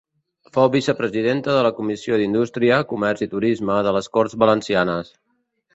Fou vicepresidenta de la Comissió d'Indústria, Comerç i Turisme de les Corts Valencianes.